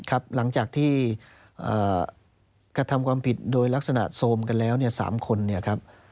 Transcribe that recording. หลังจากที่กระทำความผิดโดยลักษณะโซมกันแล้วเนี่ย๓คนเนี่ยครับ